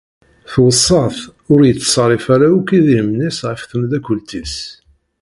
Tweṣṣa-t ur yetṣerrif ara yakk idrimen-is ɣef temdakult-is.